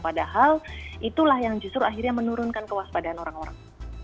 padahal itulah yang justru akhirnya menurunkan kewaspadaan orang orang